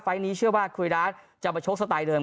ไฟล์ทนี้เชื่อว่าครูเอดาสจะมาโชคสไตล์เดิม